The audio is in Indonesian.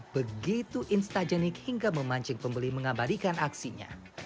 begitu instagenik hingga memancing pembeli mengabadikan aksinya